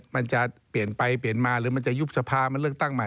มันจะเปลี่ยนไปเปลี่ยนมาหรือมันจะยุบสภามันเลือกตั้งใหม่